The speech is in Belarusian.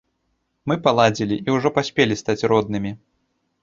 Мы паладзілі і ўжо паспелі стаць роднымі.